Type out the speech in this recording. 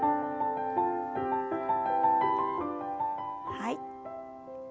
はい。